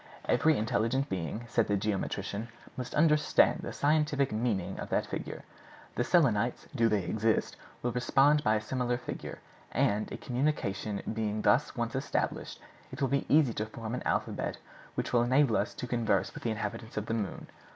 'Every intelligent being,' said the geometrician, 'must understand the scientific meaning of that figure. The Selenites, do they exist, will respond by a similar figure; and, a communication being thus once established, it will be easy to form an alphabet which shall enable us to converse with the inhabitants of the moon.